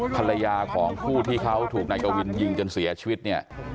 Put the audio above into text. ภรรยาของผู้ที่เขาถูกนายกวินยิงจนเสียชีวิตเนี่ย